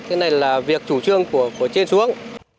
cái này là việc chủ trương của trên xuống